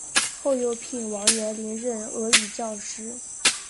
后又聘王元龄任俄语教师。